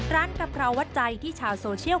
กะเพราวัดใจที่ชาวโซเชียล